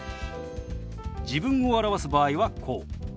自分を表す場合はこう。